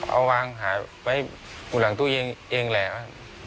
เอาวางหาไว้บนหลังตู้เย็นเองแหละ